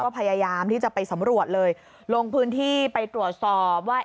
พยายามที่จะไปสำรวจเลยลงพื้นที่ไปตรวจสอบว่า